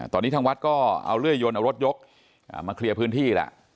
ตอนนี้ทางวัดก็เอาเลื่อยยนเอารถยกมาเคลียร์พื้นที่แล้ว